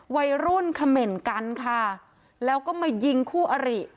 วัยรุ่นเขม่นกันค่ะแล้วก็มายิงคู่อริ